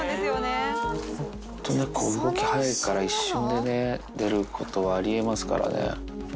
本当に猫は動き速いから一瞬でね、出ることはありえますからね。